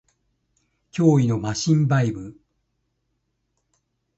脅威のマシンバイブ